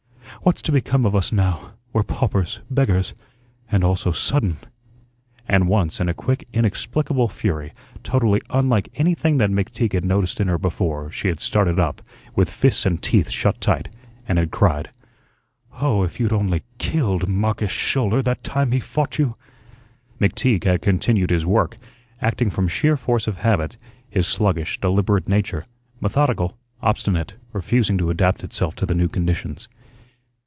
"What's to become of us now? We're paupers, beggars and all so sudden." And once, in a quick, inexplicable fury, totally unlike anything that McTeague had noticed in her before, she had started up, with fists and teeth shut tight, and had cried, "Oh, if you'd only KILLED Marcus Schouler that time he fought you!" McTeague had continued his work, acting from sheer force of habit; his sluggish, deliberate nature, methodical, obstinate, refusing to adapt itself to the new conditions.